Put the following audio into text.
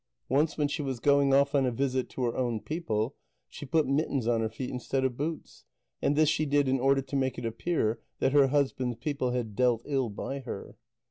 Once when she was going off on a visit to her own people, she put mittens on her feet instead of boots. And this she did in order to make it appear that her husband's people had dealt ill by her.